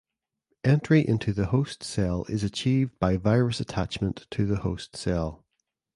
Entry into the host cell is achieved by virus attachment to the host cell.